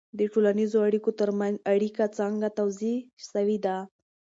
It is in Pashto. د ټولنیزو اړیکو ترمنځ اړیکه څنګه توضیح سوې ده؟